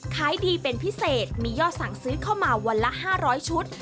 ขายดีเป็นพิเศษมียอดสั่งซื้อเข้ามาวันละ๕๐๐ชุด